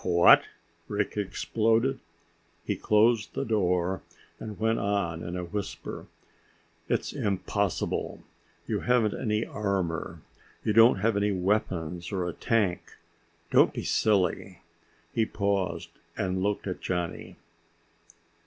"What!" Rick exploded. He closed the door and went on in a whisper, "It's impossible. You haven't any armor. You don't have any weapons or a tank. Don't be silly." He paused, and looked at Johnny.